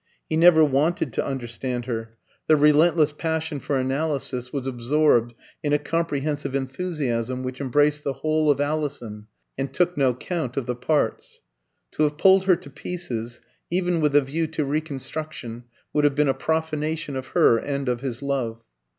He never wanted to understand her; the relentless passion for analysis was absorbed in a comprehensive enthusiasm which embraced the whole of Alison and took no count of the parts. To have pulled her to pieces, even with a view to reconstruction, would have been a profanation of her and of his love.